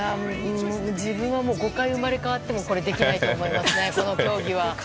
自分は５回生まれ変わってもできないと思います。